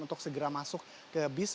untuk segera masuk ke bis